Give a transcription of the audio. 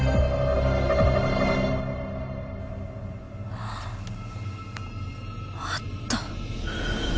あああった！